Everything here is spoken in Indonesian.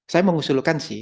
saya mengusulkan sih